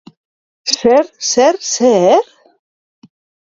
Zer, zer, zer?